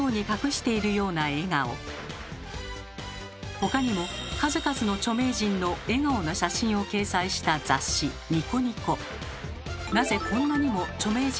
他にも数々の著名人の笑顔の写真を掲載した雑誌「ニコニコ」。